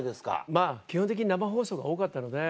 まぁ基本的に生放送が多かったので。